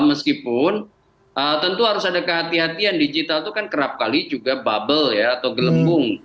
meskipun tentu harus ada kehatian kehatian digital itu kan kerap kali juga bubble ya atau gelembung